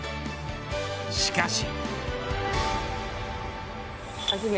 しかし。